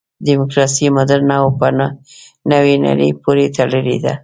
دیموکراسي مډرنه او په نوې نړۍ پورې تړلې ده.